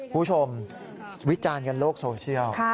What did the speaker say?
คุณผู้ชมวิจารณ์กันโลกโซเชียล